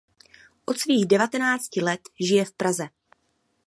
Od svých devatenácti let žije v Praze.